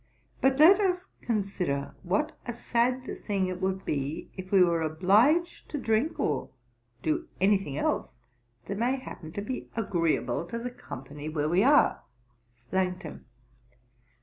'But let us consider what a sad thing it would be, if we were obliged to drink or do any thing else that may happen to be agreeable to the company where we are.' LANGTON.